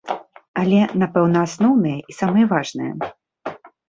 Але, напэўна, асноўныя і самыя важныя.